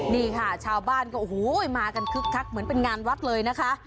นี่ค่ะชาวบ้านก็โอ้โหมากันคึกคักเหมือนเป็นงานวัดเลยนะคะ